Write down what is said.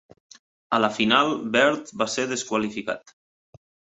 A la final, Beard va ser desqualificat.